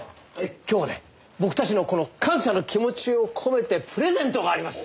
今日はね僕たちのこの感謝の気持ちを込めてプレゼントがあります。